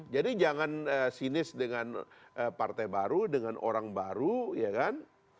jadi jangan sinis dengan partai baru dengan orang baru ya kan